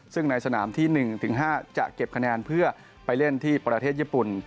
ซึ่งในสนามที่๑๕จะเก็บคะแนนเพื่อไปเล่นที่ประเทศญี่ปุ่น